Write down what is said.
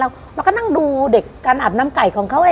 เราก็นั่งดูเด็กการอาบน้ำไก่ของเขาเอง